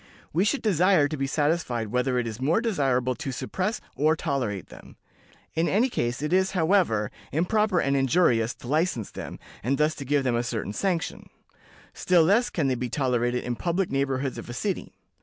We should desire to be satisfied whether it is more desirable to suppress or tolerate them. In any case, it is, however, improper and injurious to license them, and thus to give them a certain sanction; still less can they be tolerated in public neighborhoods of a city.